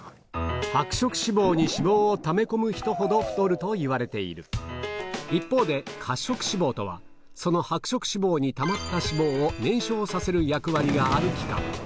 白色脂肪に脂肪をため込む人ほど太るといわれている一方で褐色脂肪とはその白色脂肪にたまった脂肪を燃焼させる役割がある器官